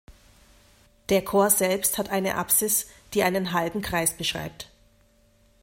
Der Chor selbst hat eine Apsis, die einen halben Kreis beschreibt.